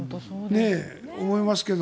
思いますけど。